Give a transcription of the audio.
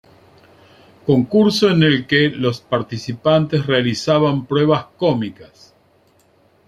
Concurso en el que los participantes realizaban pruebas cómicas.